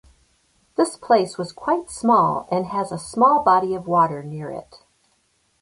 This place was quite small and has a small body of water near it.